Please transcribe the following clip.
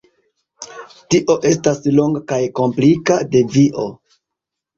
Tio estas longa kaj komplika devio.